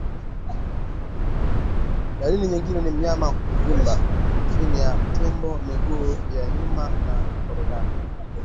Dalili nyingine ni mnyama kuvimba chini ya tumbo miguu ya nyuma na korodani